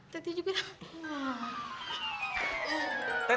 teti juga ya ampun